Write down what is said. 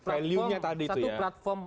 value nya tadi itu ya satu platform